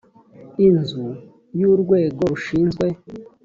inzu y urwego rushinzwe